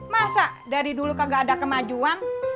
masa dari dulu kagak ada kemajuan